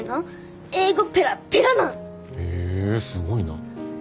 すごいな。